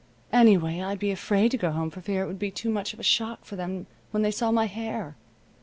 Anyway, I'd be afraid to go home for fear it would be too much of a shock for them when they saw my hair.